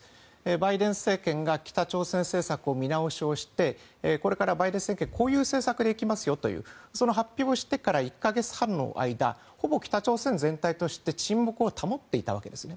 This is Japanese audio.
バイデン政権が北朝鮮政策の見直しをしてこれからバイデン政権はこういう政策でいきますというその発表をしてから１か月半の間ほぼ北朝鮮全体は沈黙を保っていたわけですね。